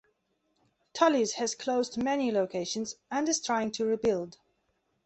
Tully's has closed many locations and is trying to rebuild.